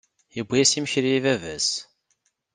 Yewwi-yas imekli i baba-s.